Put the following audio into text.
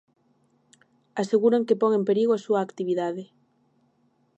Aseguran que pon en perigo a súa actividade.